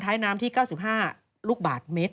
น้ำที่๙๕ลูกบาทเมตร